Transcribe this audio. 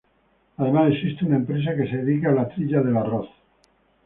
Además existe una empresa que se dedica a la trilla de arroz.